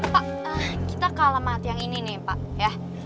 pak kita ke alamat yang ini nih pak ya